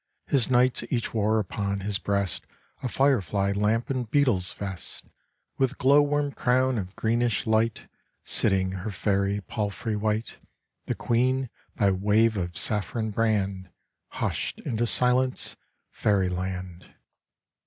His knights each wore upon his breast A firefly lamp in beetle's vest. With glow worm crown of greenish light, Sitting her fairy palfrey white, The queen, by wave of saffron brand, Hushed into silence fairyland.